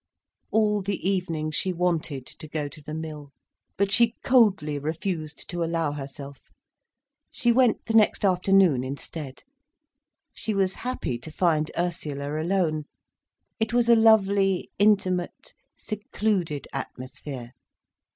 All the evening she wanted to go to the Mill. But she coldly refused to allow herself. She went the next afternoon instead. She was happy to find Ursula alone. It was a lovely, intimate secluded atmosphere.